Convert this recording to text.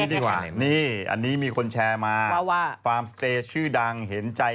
บอกว่านี่คนเข้าไปดูในเพจนี้